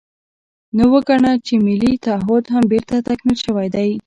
نو وګڼه چې ملي تعهُد هم بېرته تکمیل شوی دی.